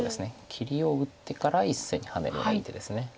切りを打ってから１線にハネるような手です。